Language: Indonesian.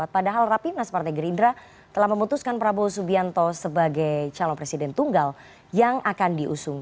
padahal rapimnas partai gerindra telah memutuskan prabowo subianto sebagai calon presiden tunggal yang akan diusung